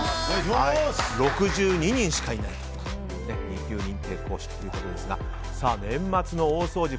６２人しかいないという２級認定講師ということですが年末の大掃除